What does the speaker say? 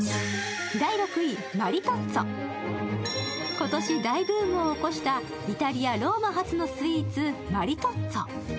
今年大ブームを起こしたイタリア・ローマ発のスイーツ、マリトッツォ。